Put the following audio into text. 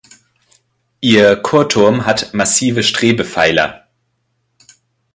Ihr Chorturm hat massive Strebepfeiler.